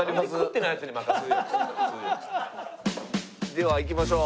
では行きましょう。